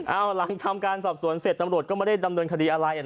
เอาหลังทำการสอบสวนเสร็จตำรวจก็ไม่ได้ดำเนินคดีอะไร